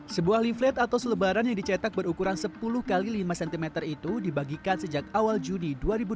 sebuah leaflet atau selebaran yang dicetak berukuran sepuluh x lima cm itu dibagikan sejak awal juni dua ribu dua puluh